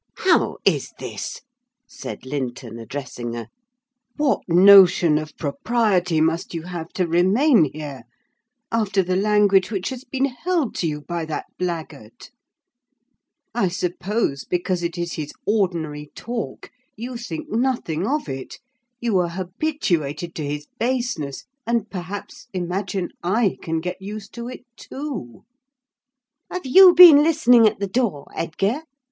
"How is this?" said Linton, addressing her; "what notion of propriety must you have to remain here, after the language which has been held to you by that blackguard? I suppose, because it is his ordinary talk you think nothing of it: you are habituated to his baseness, and, perhaps, imagine I can get used to it too!" "Have you been listening at the door, Edgar?"